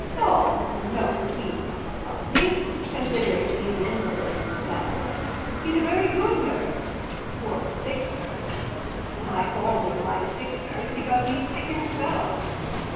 "Oh no, he's not clumsy considering that he's an invalid himself. He's a very good nurse for a sick nurse. I call him my sick nurse because he's sick himself."